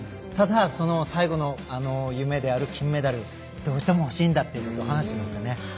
ただ、その最後の夢である金メダルどうしても欲しいんだって話していましたね。